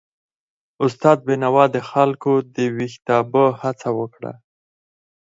استاد بینوا د خلکو د ویښتابه هڅه وکړه.